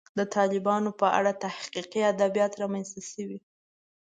د طالبانو په اړه تحقیقي ادبیات رامنځته شوي.